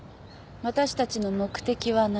私たちの目的は何？